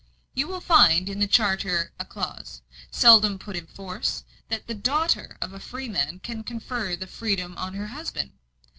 "You will find in the charter a clause, seldom put in force, that the daughter of a freeman can confer the freedom on her husband.